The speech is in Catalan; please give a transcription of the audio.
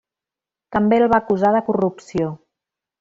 També el va acusar de corrupció.